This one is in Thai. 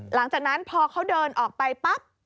หลังจากนั้นพอเขาเดินออกไปปั๊บ